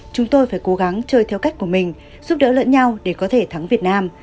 chúng tôi phải cố gắng chơi theo cách của mình giúp đỡ lẫn nhau để có thể thắng việt nam